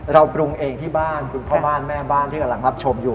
ปรุงเองที่บ้านคุณพ่อบ้านแม่บ้านที่กำลังรับชมอยู่